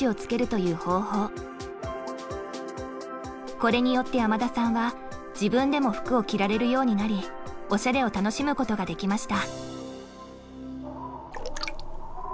これによって山田さんは自分でも服を着られるようになりおしゃれを楽しむことができました。